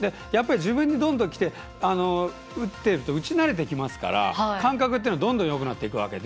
自分にどんどんきて打っていると打ち慣れてきますから感覚っていうのは、どんどんよくなっていくわけで。